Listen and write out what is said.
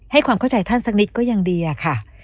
ความเข้าใจท่านสักนิดก็ยังดีอะค่ะ